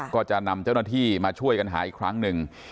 ก็จะนำเจ้าหน้าที่มาช่วยกันหาอีกครั้งหนึ่ง